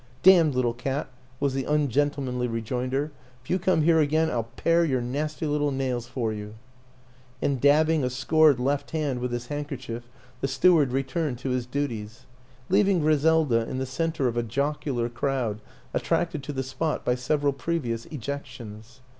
"Damned little cat!" was the ungentlemanly rejoinder. " If you come here again I'll pare your nasty little nails for you." And, dabbing a scored left hand with his hand kerchief, the steward returned to his duties leaving Griselda in the center of a jocular crowd attracted to the spot by several previous ejec tions.